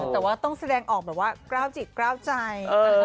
แต่ว่าต้องแสดงออกแบบว่ากล้าวจิตกล้าวใจ